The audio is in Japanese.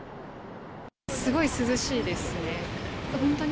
すごい涼しいですね。